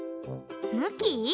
むき？